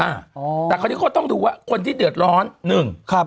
แต่คราวนี้ก็ต้องถูกว่าคนที่เดือดร้อนหนึ่ง